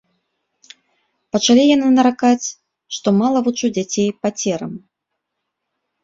Пачалі яны наракаць, што мала вучу дзяцей пацерам.